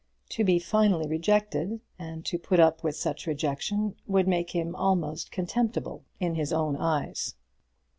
To be finally rejected, and to put up with such rejection, would make him almost contemptible in his own eyes.